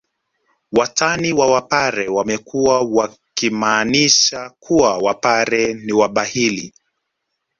Watani wa wapare wamekuwa wakimaanisha kuwa wapare ni wabahili